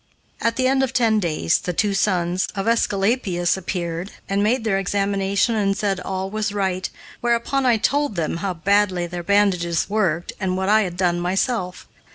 At the end of ten days the two sons of Aesculapius appeared and made their examination and said all was right, whereupon I told them how badly their bandages worked and what I had done myself.